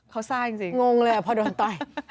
เขาซ่าจริงงงเลยพอโดนต่อย